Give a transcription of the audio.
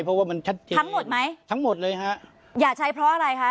เพราะว่ามันชัดเจนทั้งหมดไหมทั้งหมดเลยฮะอย่าใช้เพราะอะไรคะ